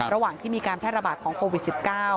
ระหว่างที่มีการแพร่ระบาดของโควิด๑๙